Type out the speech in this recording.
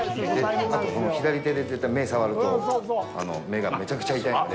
あと、その左手で目を触ると目がめちゃくちゃ痛いので。